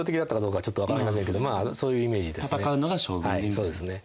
はいそうですね。